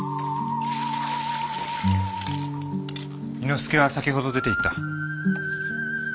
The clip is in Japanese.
猪之助は先ほど出ていった。